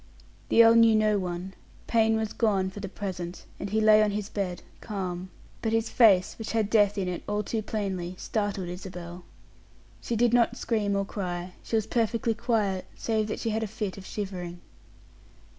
The earl knew no one; pain was gone for the present, and he lay on his bed, calm; but his face, which had death in it all too plainly, startled Isabel. She did not scream or cry; she was perfectly quiet, save that she had a fit of shivering.